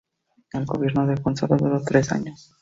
El gobierno de Gonzalo duró tres años.